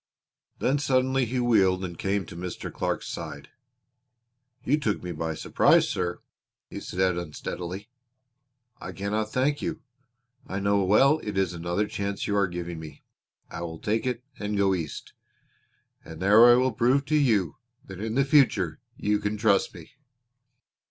Then suddenly he wheeled and came to Mr. Clark's side. "You took me by surprise, sir," he said unsteadily. "I cannot thank you. I know well it is another chance you are giving me. I will take it and go East, and there I will prove to you that in the future you can trust me."